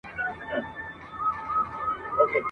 او کله کله بې مفهومه شعرونه د دې لپاره لیکل کیږي !.